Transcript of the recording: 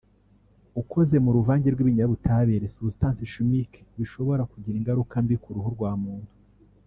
ukoze mu ruvange rw’ibinyabutabire (substances chimiques) bishobora kugira ingaruka mbi ku ruhu rwa muntu